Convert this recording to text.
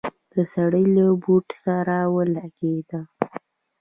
د سړي له بوټ سره ولګېده.